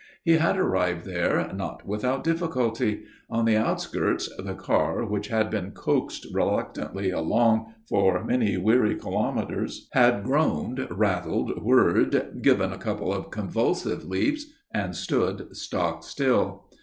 He had arrived there not without difficulty. On the outskirts the car, which had been coaxed reluctantly along for many weary kilometres, had groaned, rattled, whirred, given a couple of convulsive leaps, and stood stock still.